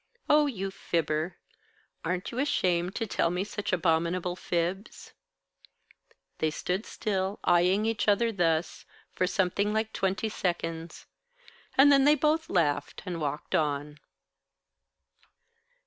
Oh, you fibber! Aren't you ashamed to tell me such abominable fibs ?" They stood still, eyeing each other thus, for something like twenty seconds, and then they both laughed and walked on.